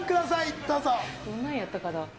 どんなんやったかな。